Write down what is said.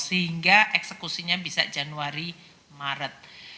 sehingga eksekusinya bisa januari maret